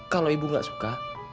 kalau ibu nggak suka